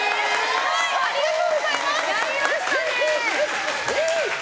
ありがとうございます！